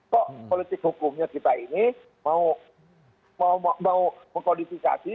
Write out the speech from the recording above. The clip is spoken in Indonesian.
kok politik hukumnya kita ini mau mengkodifikasi